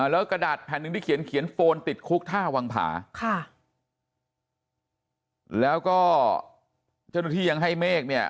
แล้วกระดาษแผ่นหนึ่งที่เขียนเขียนโฟนติดคุกท่าวังผาค่ะแล้วก็เจ้าหน้าที่ยังให้เมฆเนี่ย